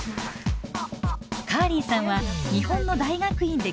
カーリーさんは日本の大学院で建築を専攻。